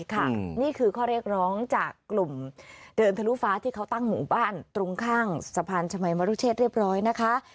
นี่คือข้อเรียกร้องจากกลุ่มเดินทะลุฟ้าที่เขาตั้งหมู่บ้านตรงข้างสะพานชมัยมรุเชษเรียบร้อยนะคะ